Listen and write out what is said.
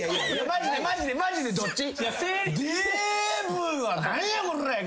マジでマジでマジでどっち？